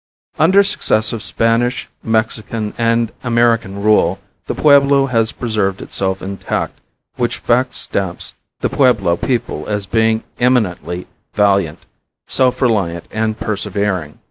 Under successive Spanish, Mexican and American rule the Pueblo has preserved itself intact which fact stamps the Pueblo people as being eminently valiant, self reliant and persevering.